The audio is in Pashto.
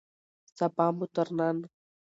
سبا مو تر نن